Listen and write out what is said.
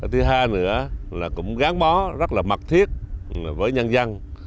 thứ hai nữa là cũng gán bó rất là mặc thiết với nhân dân